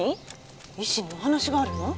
石にお話があるの？